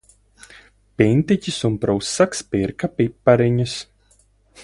Pintiķis un prusaks pirka pipariņus.